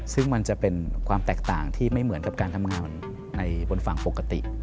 ซึ่งมันจะเป็นความแตกต่างที่ไม่เหมือนกับการทำงานในบนฝั่งปกติ